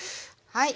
はい。